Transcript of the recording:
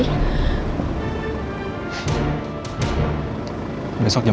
itu bener bener kurang hajar ya ri